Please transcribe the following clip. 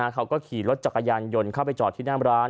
เขาก็ขี่รถจักรยานยนต์เข้าไปจอดที่หน้าร้าน